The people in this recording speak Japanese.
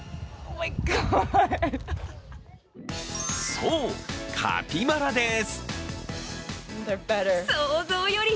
そう、カピバラです。